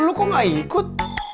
lo kok gak ikut